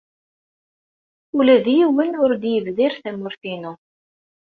Ula d yiwen ur d-yebdir tamurt-inu.